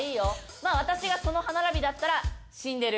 まっ私がその歯並びだったら死んでる。